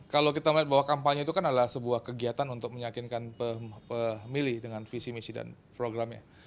kalau kita melihat bahwa kampanye itu kan adalah sebuah kegiatan untuk meyakinkan pemilih dengan visi misi dan programnya